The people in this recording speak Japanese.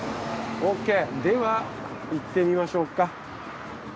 では行ってみましょうか。